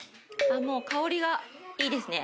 もう香りがいいですね。